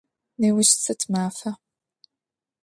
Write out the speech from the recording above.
Неущ сыд мафа?